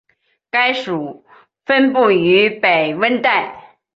该属分布于北温带。